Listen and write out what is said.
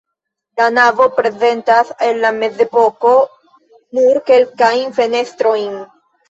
La navo prezentas el la mezepoko nur kelkajn fenestrojn.